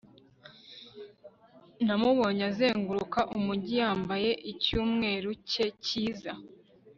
Namubonye azenguruka umujyi yambaye icyumweru cye cyiza